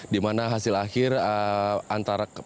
di mana hasil akhir pertandingan antara uzbekistan dan bahrain